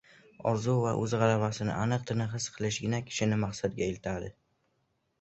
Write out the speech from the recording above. orzu va o‘z g‘alabasini aniq-tiniq his qilishgina kishini maqsadiga eltadi.